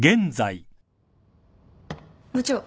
・部長。